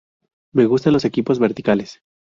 Me gustan los equipos verticales.